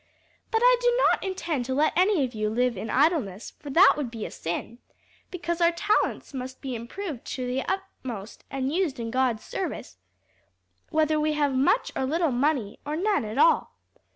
But I do not intend to let any of you live in idleness, for that would be a sin, because our talents must be improved to the utmost and used in God's service, whether we have much or little money or none at all.